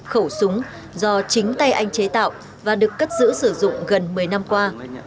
khẩu súng do chính tay anh chế tạo và được cất giữ sử dụng gần một mươi năm qua